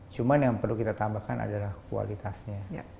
jadi yang perlu kita tambahkan adalah kualitasnya